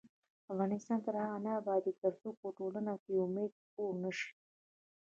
افغانستان تر هغو نه ابادیږي، ترڅو په ټولنه کې امید خپور نشي.